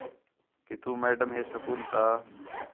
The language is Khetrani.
کہ تُو میڈم ہے سکول تا